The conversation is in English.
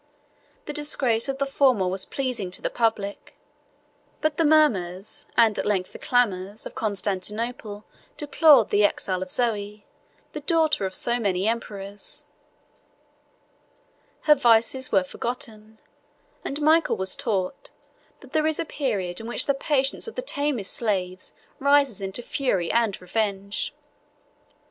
The disgrace of the former was pleasing to the public: but the murmurs, and at length the clamors, of Constantinople deplored the exile of Zoe, the daughter of so many emperors; her vices were forgotten, and Michael was taught, that there is a period in which the patience of the tamest slaves rises into fury and revenge.